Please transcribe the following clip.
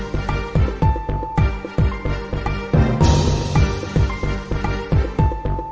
ติดตามต่อไป